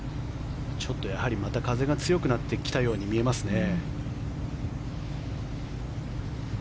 やはり、また風が強くなってきたように見えますね。